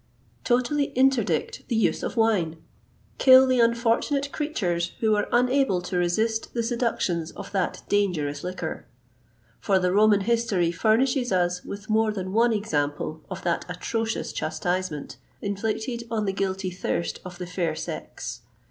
Totally interdict the use of wine! Kill the unfortunate creatures who were unable to resist the seductions of that dangerous liquor! For the Roman history furnishes us with more than one example of that atrocious chastisement inflicted on the guilty thirst of the fair sex.